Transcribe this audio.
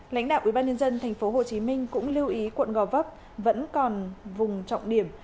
lãnh đạo ủy ban nhân dân tp hcm cũng lưu ý quận gò vấp vẫn còn vùng trọng điểm